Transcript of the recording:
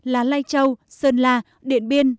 là lai châu sơn la điện biên